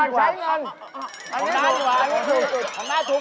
อันนี้ถูกอันนี้ถูก